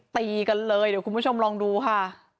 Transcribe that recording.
ตีกันเลยเดี๋ยวคุณผู้ชมลองดูค่ะ